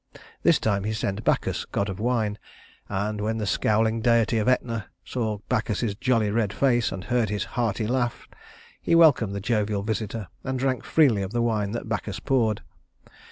This time he sent Bacchus, god of wine; and when the scowling deity of Etna saw Bacchus's jolly red face and heard his hearty laugh, he welcomed the jovial visitor and drank freely of the wine that Bacchus poured.